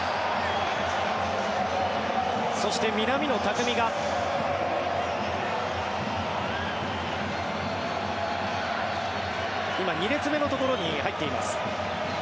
そして、南野拓実が今、２列目のところに入っています。